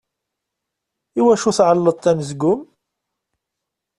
I wacu tεelleḍt anezgum?